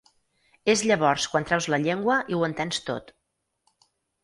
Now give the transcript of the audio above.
És llavors quan treus la llengua i ho entens tot.